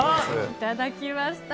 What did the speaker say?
いただきました。